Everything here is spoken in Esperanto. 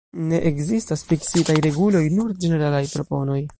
Ne ekzistas fiksitaj reguloj, nur ĝeneralaj proponoj.